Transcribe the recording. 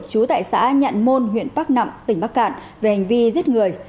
chú tại xã nhạn môn huyện bắc nẵm tỉnh bắc cạn về hành vi giết người